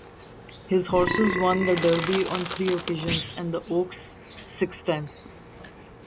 His horses won the Derby on three occasions and the Oaks six times.